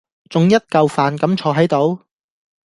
仲一嚿飯咁坐喺度？